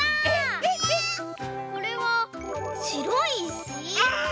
これはしろいいし？